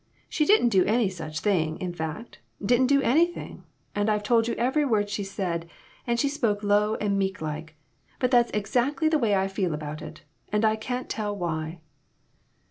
She didn't do any such thing ; in fact, didn't do anything, and I've told you every word she said, and she spoke low and meek like, but that's exactly the way I feel about it, and I can't tell why."